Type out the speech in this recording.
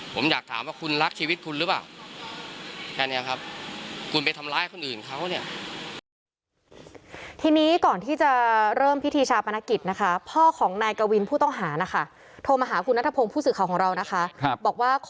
ผมอยากถามว่าคุณรักชีวิตคุณหรือเปล่า